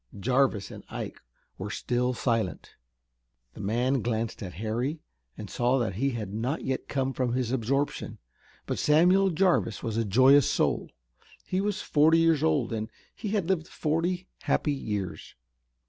Jarvis and Ike were still silent. The man glanced at Harry and saw that he had not yet come from his absorption, but Samuel Jarvis was a joyous soul. He was forty years old, and he had lived forty happy years.